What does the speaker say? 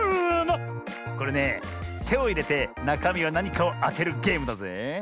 これねてをいれてなかみはなにかをあてるゲームだぜえ。